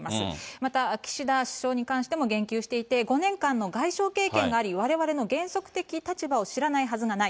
また岸田首相に関しても言及していて、５年間の外相経験があり、われわれの原則的立場を知らないはずがない。